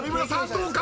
どうか？